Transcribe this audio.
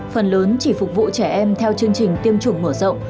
phần lớn chỉ phục vụ trẻ em theo chương trình tiêm chủng mở rộng